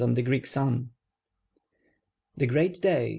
\ THE Greek Sun. The great day.